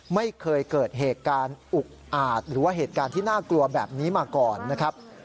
ไม่เคยเกิดเหตุการณ์อุกอาจหรือว่าเหตุการณ์ที่น่ากลัวแบบนี้มาก่อนนะครับ